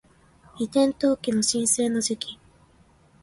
移転登記の申請の時期